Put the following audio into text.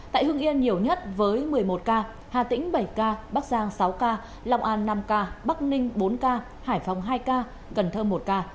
tại hương yên nhiều nhất với một mươi một ca hà tĩnh bảy ca bắc giang sáu ca long an năm ca bắc ninh bốn ca hải phòng hai ca cần thơ một ca